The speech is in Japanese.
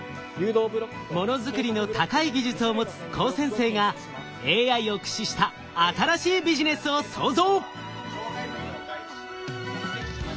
ものづくりの高い技術を持つ高専生がＡＩを駆使した新しいビジネスを創造！